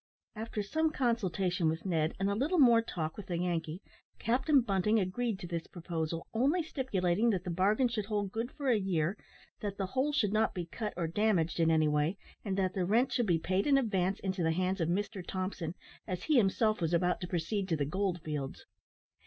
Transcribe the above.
After some consultation with Ned, and a little more talk with the Yankee, Captain Bunting agreed to this proposal, only stipulating that the bargain should hold good for a year, that the hull should not be cut or damaged in any way, and that the rent should be paid in advance into the hands of Mr Thompson, as he himself was about to proceed to the gold fields.